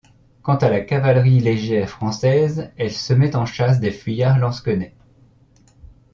Quant à la cavalerie légère française, elle se met en chasse des fuyards lansquenets.